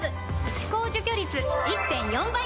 歯垢除去率 １．４ 倍！